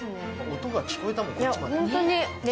音が聞こえたもん、こっちまで。